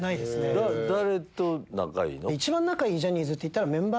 誰と仲いいの？